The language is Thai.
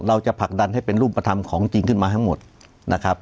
จะผลักดันให้เป็นรูปธรรมของจริงขึ้นมาทั้งหมดนะครับ